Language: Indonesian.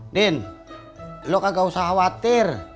ndin lo kagak usah khawatir